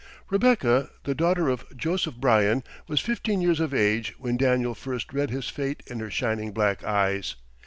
Rebecca, the daughter of Joseph Bryan, was fifteen years of age when Daniel first read his fate in her shining black eyes.